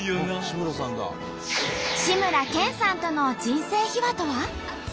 志村けんさんとの人生秘話とは。